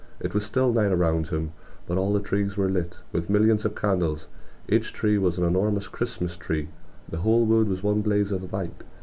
It was still night around him, but all the trees were lit with millions of candles. Each tree was an enormous Christmas tree. The whole wood was one blaze of light